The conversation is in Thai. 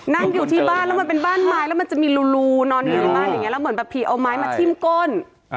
นั่งอยู่ที่บ้านแล้วมันเป็นบ้านไม้แล้วมันจะมีรูนอนอยู่ในบ้านอย่างนี้แล้วเหมือนแบบผีเอาไม้มาทิ้มก้น